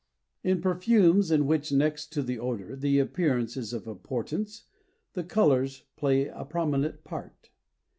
In perfumes in which next to the odor, the appearance is of importance, the colors play a prominent part.